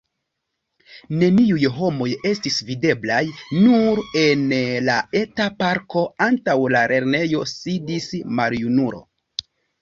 Neniuj homoj estis videblaj, nur en la eta parko, antaŭ la lernejo, sidis maljunulo.